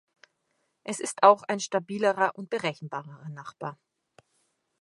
Es ist auch ein stabilerer und berechenbarerer Nachbar.